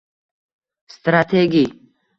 strategy